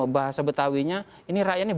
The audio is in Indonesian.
bahasa betawinya ini rakyatnya